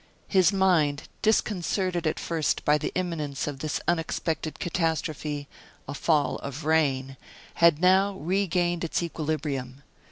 His mind, disconcerted at first by the imminence of this unexpected catastrophe, a fall of rain, had now regained its equilibrium.